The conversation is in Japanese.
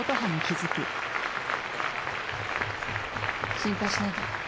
心配しないで。